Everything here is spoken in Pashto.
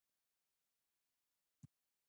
پښتو به په راتلونکي کې په ډېرې اسانۍ وویل شي.